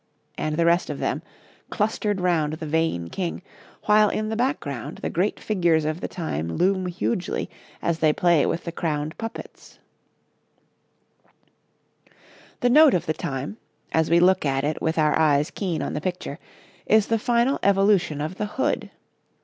And the rest of them, clustered round the vain king, while in the background the great figures of the time loom hugely as they play with the crowned puppets. [Illustration: {Eight stages in the evolution of the hood}] The note of the time, as we look at it with our eyes keen on the picture, is the final evolution of the hood.